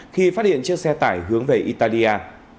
khi phát hiện chiếc xe tải hướng về italia